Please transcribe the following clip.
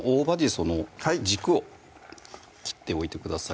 その軸を切っておいてください